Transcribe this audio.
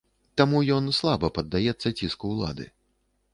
Таму ён слаба паддаецца ціску ўлады.